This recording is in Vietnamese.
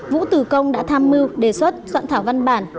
vũ tử công đã tham mưu đề xuất soạn thảo văn bản